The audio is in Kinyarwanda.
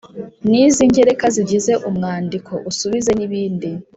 n’iz’ingereka zigize umwandiko, usubize n’ibindi